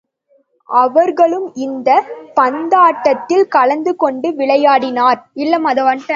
அவர்களும் இந்த பந்தாட்டத்தில் கலந்து கொண்டு விளையாடினர்.